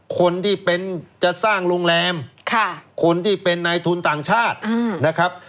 คนที่เป็นจะสร้างโรงแรมคนที่เป็นนายทุนต่างชาตินะครับ